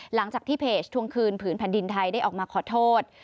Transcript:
หลังจากที่เพจทวงคืนผืนแผ่นดินไทยได้ออกมาขอโทษ